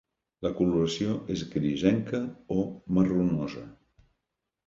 La coloració és grisenca o marronosa.